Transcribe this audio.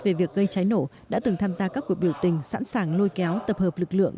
về việc gây cháy nổ đã từng tham gia các cuộc biểu tình sẵn sàng lôi kéo tập hợp lực lượng